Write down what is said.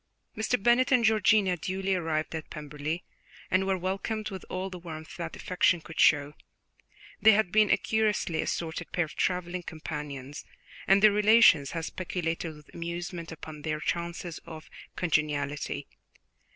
Mr. Bennet and Georgiana duly arrived at Pemberley, and were welcomed with all the warmth that affection could show. They had been a curiously assorted pair of travelling companions, and their relations had speculated with amusement upon their chances of congeniality.